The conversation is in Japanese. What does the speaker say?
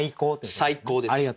最高です。